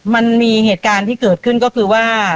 มันมีเหตุการณ์ที่เกิดขึ้นก็คือว่า